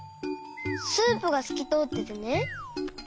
スープがすきとおっててね。